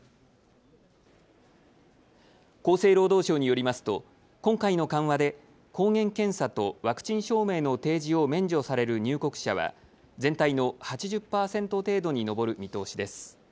厚生労働省によりますと今回の緩和で抗原検査とワクチン証明の提示を免除される入国者は全体の８０％程度に上る見通しです。